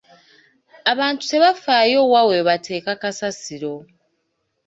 Abantu tebafaayo wa we bateeka kasasiro.